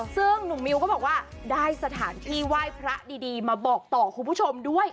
ซึ่งหนุ่มมิวก็บอกว่าได้สถานที่ไหว้พระดีมาบอกต่อคุณผู้ชมด้วย